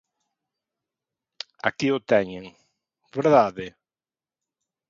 Aquí o teñen, ¿verdade?